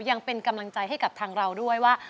ยังเป็นกำลังใจให้กับทางเราด้วยว่า